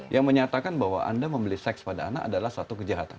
yang menyatakan bahwa anda membeli seks pada anak adalah satu kejahatan